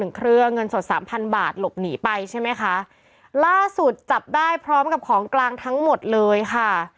เครื่องเงินสดสามพันบาทหลบหนีไปใช่ไหมคะล่าสุดจับได้พร้อมกับของกลางทั้งหมดเลยค่ะ